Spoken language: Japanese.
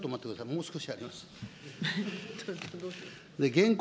もう少しあります。